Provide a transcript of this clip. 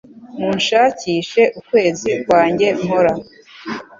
Munshakishe ukwezi kwange nkora